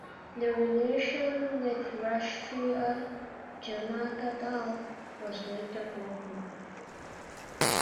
The relation with Rashtriya Janata Dal was later broken.